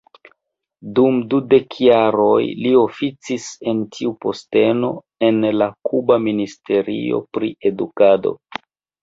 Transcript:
Dum dudek jaroj, li oficis en tiu posteno en la Kuba Ministerio pri Edukado.